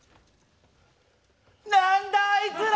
何だあいつら！